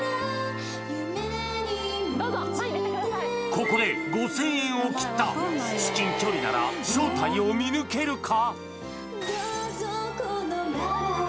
ここで５０００円を切った至近距離なら正体を見抜けるか？